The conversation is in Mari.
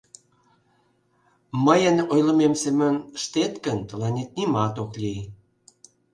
Мыйын ойлымем семын ыштет гын, тыланет нимат ок лий.